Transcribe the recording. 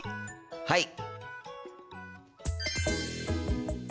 はい！